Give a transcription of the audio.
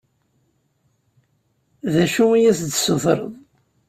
D acu i as-d-tessutreḍ?